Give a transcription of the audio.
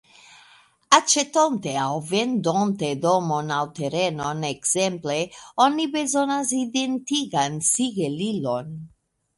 Aĉetonte aŭ vendonte domon aŭ terenon, ekzemple, oni bezonas identigan sigelilon.